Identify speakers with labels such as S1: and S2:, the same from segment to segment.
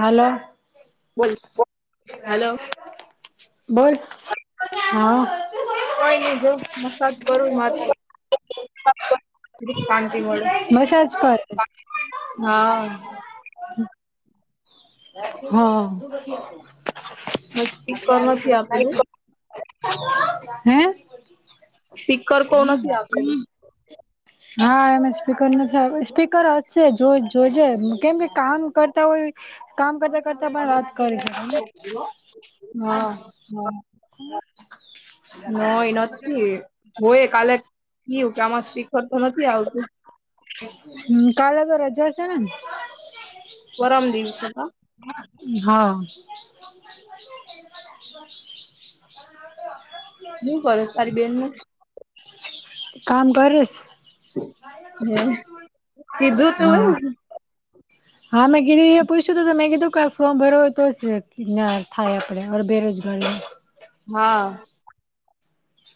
S1: હાલો
S2: બોલ હલો
S1: બોલ હા
S2: કઈ નહી જ મસાજ કરું માથા નુ મળે.
S1: મસજ કર
S2: હા
S1: [inaudible] હા
S2: મેં સ્પીકર નથી આપેલું
S1: હમ
S2: સ્પીકર કોણ છે આપે
S1: ઓ હા એમ સ્પીકર નથી આવ સ્પીકર હશે જો જોઈજે કેમ કે કામ કરતા હોય કામ કરતા કરતા પણ વાત કરે
S2: હા
S1: [inaudible]
S2: નઈ નથી જોય કાલે કયું કે આમાં સ્પીકર તો નથી આવતું
S1: હ કાલે તો રજા છે ને
S2: ગરમ દિવસે કા
S1: હા
S2: બું કરસ તારી બેન ણુ
S1: કામ કરીશ?
S2: હમ કીધું તું.
S1: હા હા મેં ગીરીહી્યા પૂઇછુ તમેં કીધ કે ઉું ભર તો કયા થાય આપણેર બેરોજગારી
S2: હા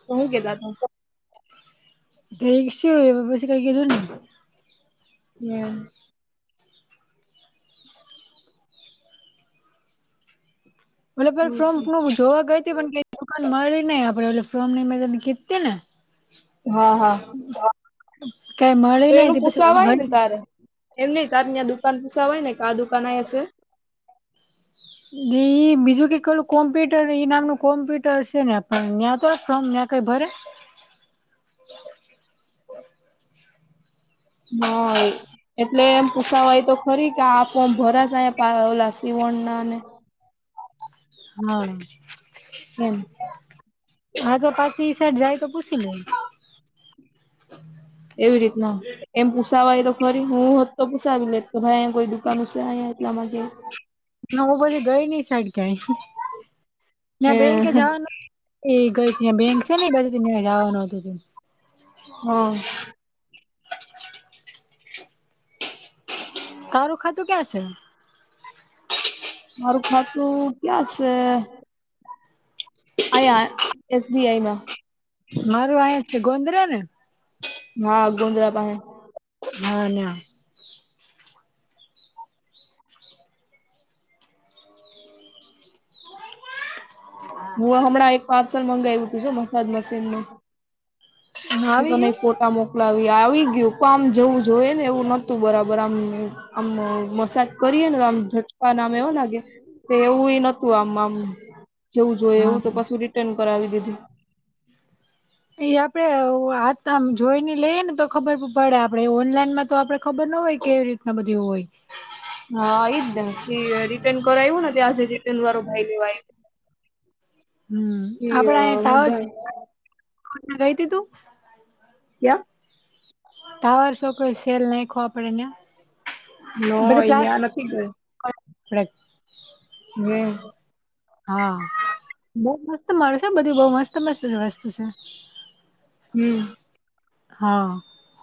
S2: તો હું કેતા ત
S1: ગઈ શ પછી કઈ કીધું ને
S2: હમ
S1: બલે ફોમ [unintelligible] જોવા ગતી પણ કઈ દુંકાન મળી નહી આપડે એટલે ફોર્મ નઈ મળને કીતી ને.
S2: હા, હા.
S1: કઈ મળે
S2: તો
S1: નહીં
S2: એનું
S1: પછી
S2: પૂછાવાય ને
S1: ઘ
S2: તારે એમ નહીં ત્યાં દુકાન પૂછા હોય ને કે આ દુકાન અહીંયા હશે.
S1: બીજું કેલું કોમ્પ્યુટર એઈ નામનું કોમ્પ્યુટર છે ને પણ નેટ ફ્રોમ નેટ [unintelligible]
S2: હય એટલે એમ પૂસાવાય તો ખરી કે આ ફોર્મ ભરા છે પ્લાસી ઓણના ને.
S1: હા.
S2: એમ
S1: હગ પાછી સાઈડ જાય તો પૂછી લઈ.
S2: એવી રીતના એમ પૂસાવાય તો ખરી હું હોત તો પૂસાવી લે કે ભાઈયા કોઈ દુકાન છે? [unintelligible]
S1: નવ પછી ગઈ નઈ સાઈડ ક્યાંય ત્યાં બેન કે
S2: હમ
S1: જવાનું એ ગઈ ત્યાં બેક છે ને બધું ત્યાં જવાનું હતું.
S2: હા.
S1: તારું ખાતું ક્યા છે?
S2: મારું ખાતું ક્યાં છે?
S1: [inaudible]
S2: [unintelligible] એસબીઆઈમાં.
S1: મારું અહીં છે ગોદ્ર ને?
S2: હા ગોદ્ર પાસે.
S1: હા, ના.
S2: હું હમણાં એક પાર્સલ મંગાવ્યું તું જો મસાજ મશીનું હું
S1: આવી
S2: તને
S1: ગયું
S2: કા મોકલાવી આવી ગયું કો આમ જેવું જોઈએ ને એવું ન હોતું બરાબર આમ આમ મસાજ કરીએ ને તો આમ આમ એવું લાગે કે એવું નહોતું આમ આમ જેવું જોઈએ એવું
S1: હા
S2: તો પછી રિટર્ન કરાવી દીધું.
S1: એ આપડે આમ જોઈને લઈએ ને તો ખબર પડે આપડણેે ઓનલાઈનમાં તો આપડે ખબર ના હોય કેવી રીતના બધી હોય.
S2: હા આ જ ને રિટર્ન કરાવ્યું ને ત આજે રિટર્ન વાળો ભાઈ લેવા આવ
S1: હમ આપડા અ
S2: આવ્યો હું
S1: ટાવર
S2: ભાઈ
S1: ગઈ તું?
S2: ક્યા?
S1: ટાવર શો કોઈ સેલ નાખયો આપડે ત્યાં.
S2: ન અહિયાં નથી ગઈ.
S1: [inaudible]
S2: હમ.
S1: હા બહું મસ્ત મળે છે બધું બહું મસ્ત મસ્ત વસ્તુ છે.
S2: હમ.
S1: હા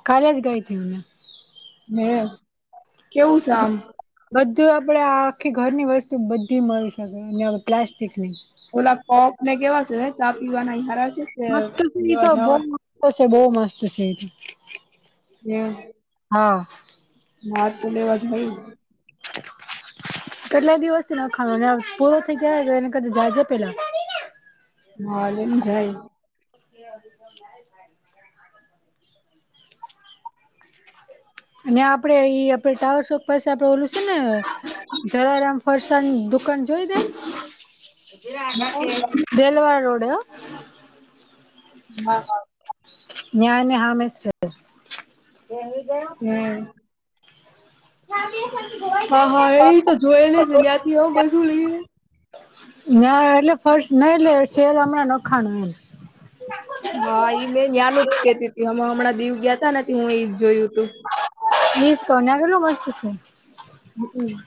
S1: કાલેજ ગઈ હતી.
S2: મે કેવું છે આમ?
S1: બધું આપડે આખી ઘરની વસ્તુ બધી મળી શકે અને પ્લાસ્ટિકની.
S2: ઉલા કપને કેવા છે ચા પીવાના ઈ હારા છે કે લેવા જાવ
S1: બ છે બહુ મસ્ત હ છે એથી
S2: હમ
S1: હા.
S2: [unintelligible]
S1: કેટલા દિવસથી નાખાનું પૂરો થઈ ગયા એને કે જજે પેલા.
S2: [unintelligible]
S1: [inaudible] [inaudible] અને આપડે ઈ આપડ ટાવર શોક પાસે આપડે ઓલું છે ને જલારામ ફરસાણની દુકાન જોઈ દે
S2: હા
S1: દેલવાડ રોડ
S2: હ
S1: [unintelligible]
S2: હમ
S1: હ [unintelligible]
S2: હા હા એ તો જોયેલી છે જ્યાંથી આવું બધું લઈએ
S1: ના એટલે ફર્શ ન એટલે શેર હમણાં નખાણ એમ
S2: હા મેં ના્યાનુ જ કેતી હતી હ હમણાં દીવ ગયાતા નથી હું એ જોયું તું
S1: [unintelligible]
S2: હમ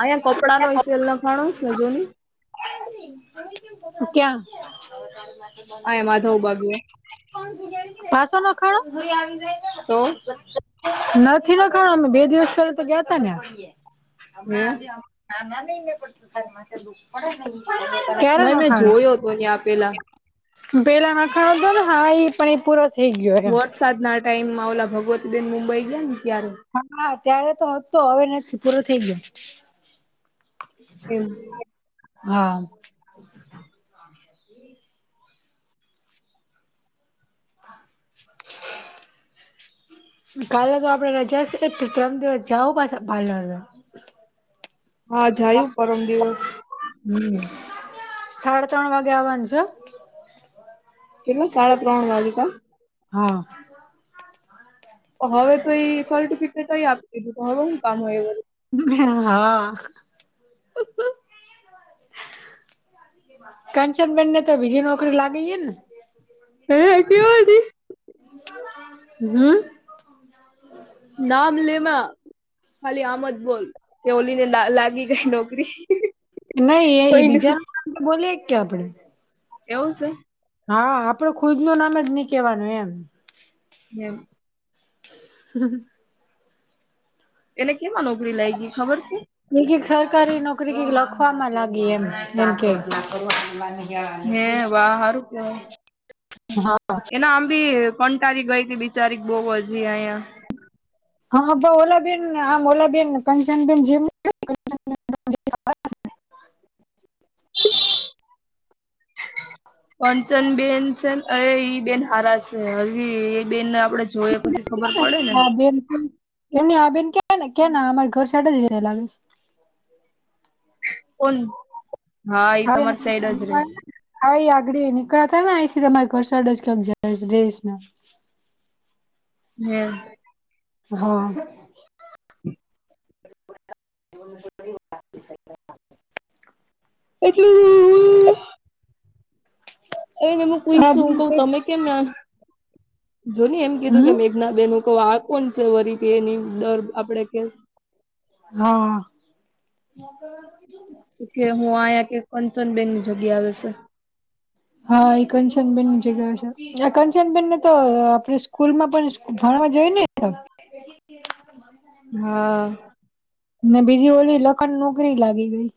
S2: અંયા કપડા નો સેલ લખાણો સે જોની-
S1: ક્યા?
S2: આય માધવ બાગએ
S1: પાસો નખાણો
S2: તો
S1: નથી નખાણ અમે બે દિવસ પેલા તો ગયા તા ન્યા
S2: નહી
S1: [unintelligible] ક્યારે
S2: ના મેં
S1: નખાણો
S2: જોયો હતો હી આપેલા
S1: પેલા નાખાણો તો ને હા એ પણ એ પૂરો થઈ ગયો એમ.
S2: સાદના ટાઈમમાં ઓલા ભગવતીબેન મુંબઈ ગયા ને ત્યારે,
S1: હા ત્યારે તો તો હવે નથી પૂરો થઈ ગયો.
S2: એમ,
S1: હા, [unintelligible] [inaudible] કાલે તો આપડે રજા છે, ત્રણ દિવસ જવું પાછા પાલૅરમાં [unintelligible] [inaudible]
S2: હા જાયું પરમ દિવસ
S1: હું સાડા ત્રણ વાગે આવવાની સુ
S2: કેટલું સાડા ત્રણ વાગે કા
S1: હા,
S2: હવે તો એ સર્ટિફિકેટ આપી દીધું, હવે શું કામ હોય, વરી
S1: હા. કંચનબેન ને તો બીજી નોકરી લાગી ગઈ ને
S2: [unintelligible]
S1: હમ...
S2: નામ લેમાં ખાલી આમદ બોલ કે ઓલીને લાગી નોકરી
S1: નહીં એ
S2: કોઈને
S1: બીજા ના બોલીય કે આપડે
S2: એવું સે?
S1: હા આપડુ ખુદ નું નામ જ નહી કેહેવાનું એમ
S2: એમ,
S1: હમ્મ.
S2: એને કેમાં નોકરી લાગી ખબર છે.
S1: નીકી સરકારી નોકરી કંઈક લખવાવામાં લાગી એમ જેમ કે
S2: હે વા! હારું કેવાય
S1: હા
S2: એના આમબી કંટારી ગઈ હતી બિચારી બવ જ આયા.
S1: હા ઓલાબેન આમ ઓલાબેન કંચન બેેન જેમ-
S2: કંચનબેન છે, અ ઈ બેન હારા સે. હજી એ બેનને આપડે જોઈ પછી ખબર પડે ને
S1: એની આ બેન કેને કે અમાર ઘર સાઈડ રેતા‌ લાગે છે.
S2: કોન હા એ તમારી સાઈડ જ રહે છે.
S1: હા એ આધડી નીકળતા ને આયથી તમાર ઘર સાઈડ જ ક્યાંક જાઇશ રેશે.
S2: યશ
S1: હા.
S2: હું એટલે હું હવે નેમું કઈશું કે તમે કેમ જોની એમ કીધું કે
S1: હમ
S2: મે ના બેન આ કોણ છે વરીથી બેન એની ડર આપડે કે
S1: હા.
S2: કે હું આયા કે કંચનબેનની જગ્યા આવે છે.
S1: હા ઈ કંચનબેેન જગ્યાએ આવે છે. આ કંચનબેનને તો આપણી સ્કૂલ માં પણ ભણવા જય ને ઈ કણ [unintelligible]
S2: હા.
S1: ને બીજી ઓલી લખા નોકરી લાગી ગઈ.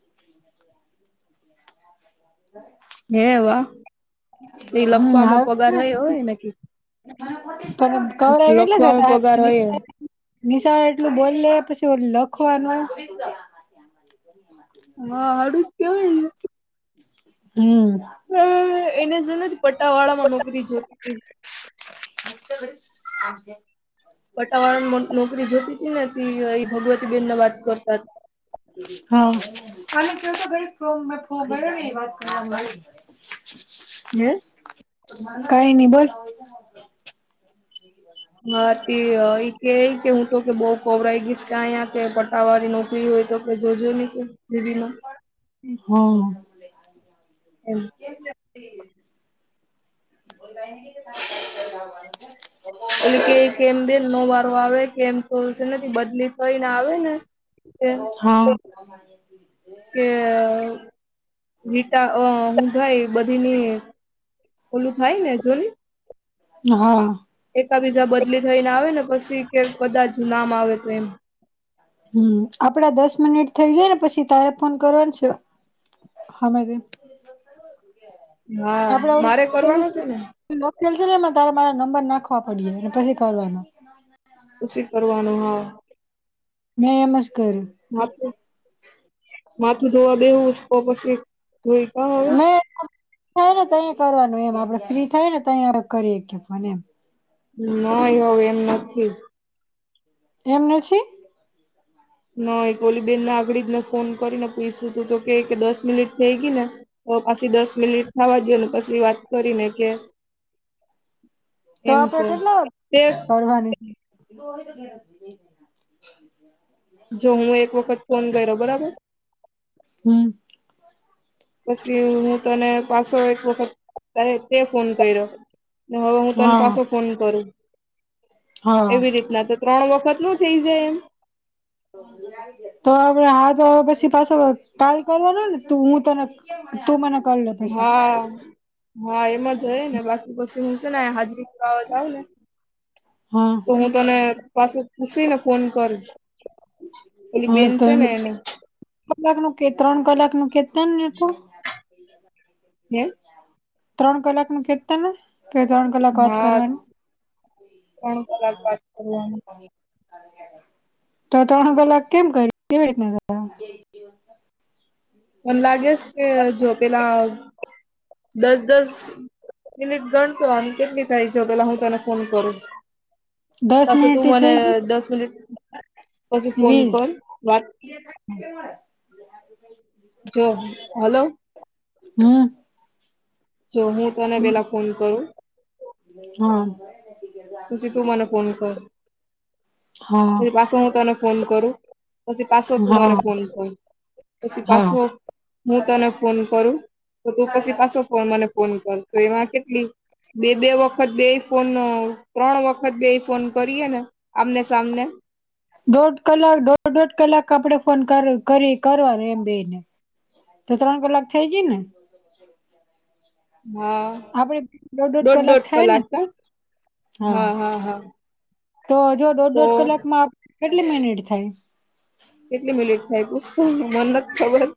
S1: હા.
S2: હે વાહ એ
S1: હમ હાલ
S2: લખવામાં પગાર રહયો હોયને કે
S1: પણ કવર કેટલા જણા
S2: લખવામાં પગાર હોય
S1: હતા. નિશાળ એટલું બોલી પછી લખવાનું હ
S2: હા હાળું જ કેવાય ને.
S1: હમ્મ.
S2: હ એને જો નથી પટાવાળા માં નોકરી જોતી
S1: [inaudible] આમ છે.
S2: પટાવાળ નોકરી જોતી હતી ને ભગવતી બેેન ન વાત કરતા હતા.
S1: હા અને જોતો તો ફોન કર્યો ને એ વાત હાફલ [inaudible]
S2: હે
S1: કાઈ નઈ બોલ
S2: હા તે એ કે કે હું તો કે બઉ કોવરાઈ ગઈશ કે અહીયા કે પટાવાળી નોકરી હોય તો હ જોજો નહી કે જીબીમાં એમ
S1: હા. [unintelligible]
S2: ઓલી કે કેમ બે નો વારો આવે કેમ કઉ છે ને બદલી થઈને આવે ને એમ
S1: હા.
S2: કે રીટા અ હું ભાઈ બધીની ઓલું થાય ને જોયુ
S1: હા.
S2: એકા બીજા બદલી થઈને આવે ને પછી કે કદાચ નામ આવે તો એમ.
S1: હમ્મ આપડા દસ મિનિટ થઇ ગયા ને પછી તારે ફોન કરવાનું છે હામે
S2: હા
S1: આપડે ઓલું
S2: મારે
S1: પેલુ.
S2: કરવાનો છે ને
S1: લોક ખોળ જે ને એમાં તારે મારે નંબર નાખવા પડે ને પછી કરવાનો.
S2: પછી કરવાનું, હા.
S1: મે એમ જ કયરું.
S2: માથું માથું ધોવા દેવું તો પછી જોઈ કા હવે
S1: મે આ થાય ને તહીંયા કરવાનું એમ આપડે ફ્રી થાય ને તય આપ કરી હકી ફોન એમ.
S2: નય હવે એમ નથી.
S1: એમ નથી.
S2: ના હોય કે ઓલી બેનને આગળડી જ ને ફોન કરીને પૂયછું તું તો કે દસ મિનિટ થઈ ગઈ ને તો પાછી દસ મિનિટ થવા દયો અને પછી વાત કરીને કે
S1: તો
S2: એમ
S1: આપડે
S2: છે.
S1: કેટલા
S2: તે
S1: કરવાની?
S2: જો હું એક વખત ફોન કયરો બરાબર?
S1: હમ્મ.
S2: પછી હું તને પાછો એક વખત [unintelligible] તે ફોન કયરો, ને હવે હું તન
S1: હા
S2: પાછો ફોન કરું
S1: હા
S2: એવી રીતના તો ત્રણ વખત નો થઇ જાય એમ?
S1: તો આપણે આજ પછી પાછો કાલ કરવાનો ને તું હું તને તું મને કર લે પસી.
S2: હા હા એમ જ હોય ને, બાકી પસી હું સે ને હાજરી પુરાવા જાવ ને
S1: હા
S2: તો હું તને પાસું પૂસીને ફોન કરું, ઓલી
S1: હા
S2: બેન
S1: તો
S2: સે
S1: એમ
S2: ને એને.
S1: કલાક નું કે ત્રણ કલાક નું કે તન ને પો
S2: [unintelligible]
S1: ત્રણ કલાક નું કેતા ને? કે ત્રણ કલાક વાત
S2: હા
S1: કરવાની.
S2: ત્રણ કલાક વાત કરવાની
S1: તો ત્રણ કલાક કેમ કરી, કેવી રીતના કરવાની?
S2: મને લાગે સ કે જો પેલા દસ-દસ મિનિટ ગણતો આમ કેટલી થાય છે, પેલા હું તને ફોન કરું.
S1: દસ
S2: પાછો
S1: મિનિટ
S2: તું
S1: થી
S2: મને
S1: થઈ
S2: દસ મિનિટ પસી ફોન કર, વાત
S1: હમ્મ.
S2: જો, હલો
S1: હમ્મ.
S2: જો હું તને પેલા ફોન કરું
S1: હા.
S2: પસી તું મને ફોન કર. પહી
S1: હા
S2: પાસો હું તને ફોન કરું, પસી પાસો તું મને
S1: હા
S2: ફોન કર. પસી
S1: હા
S2: પાસું હું તને ફોન કરું, તો તું પસી પાસો ફોન મને ફોન કર. તો એમાં કેટલી બે-બે વખત બેય ફોન ત્રણ વખત બેઈ ફોન કરીએ ને આમને સામને
S1: દોઢ કલાક દોઢ-દોઢ કલાક આપડે ફોન કર કરી કરવાનું એમ બેઈ ને. તો ત્રણ કલાક થઈ ગઈ ને?
S2: હા,
S1: આપડે દોઢ દોઢ
S2: દોઢ-દોઢ
S1: થાય ને
S2: કલાક કા? હા, હા, હા.
S1: તો જો
S2: તો
S1: દોઢ-દોઢ કલાકમાં કેટલી મિનિટ થાય?
S2: કેટલી મિનિટ થાય? પૂછ તો મન નથ ખબર.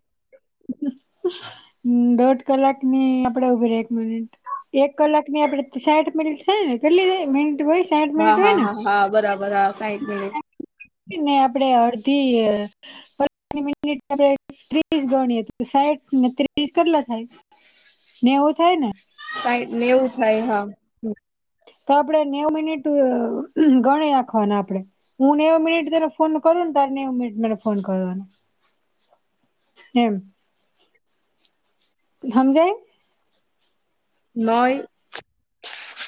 S1: દોઢ કલાક ની આપડે ઉભી રહે એક મિનિટ એક કલાક ની આપડે ત સાઈઠ મિનિટ થઈ ને કેટલી દેઈ, મિનિટ હોય છ
S2: હા, હા, હા, હા બરાબર, હા, સાઈઠ મિનિટ.
S1: ઈ ને આપડે અડધી અહ [unintelligible] આપણે ત્રીસ ગણીએ, તો સાઈઠ ને ત્રીસ કેટલા થાય? નેવું થાય ને?
S2: સાઈઠ નેવું થાય, હા.
S1: હમ્મ તો આપડે નેવુ મિનિટ આ ગણી રાખવાના આપડે. હું નેવું મિનિટ તન ફોન કરું ને, તારે નેવું મિનિટ મને ફોન કરવાનો. એમ? હમજાય?
S2: નહીં.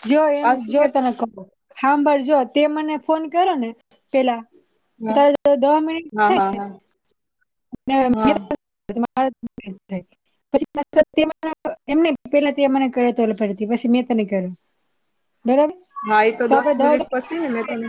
S1: જેવો એમ જેવો તને કો હાંભર જો તે મને ફોન કરો ને પેલા
S2: હા
S1: તારે દહ મિનિટ
S2: હા હા
S1: થઈને
S2: હા
S1: ને
S2: હા
S1: [unintelligible] થઈ. પછી પેલા [unintelligible] એમને પહેલા તે મને કરે તો [unintelligible] પછી મેં તને કાયરું. બરાબર.
S2: હા એ તો દસ
S1: આપડે
S2: મિનિટ
S1: દહ
S2: પછી ને તને